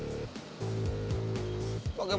gimana sih kan yang teneg